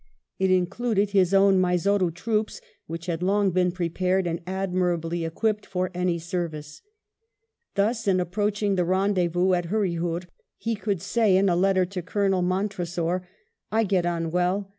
It included his 64 WELLINGTON chap. own Mysore troops, which had long been prepared and admirably equipped for any service. , Thus in approach ing the rendezvous at Hurryhur, he could say in a letter to Colonel Montresor, "I get on well.